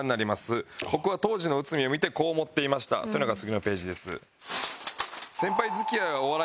僕は当時の内海を見てこう思っていましたというのが次のページです。